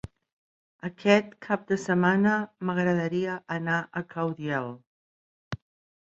Aquest cap de setmana m'agradaria anar a Caudiel.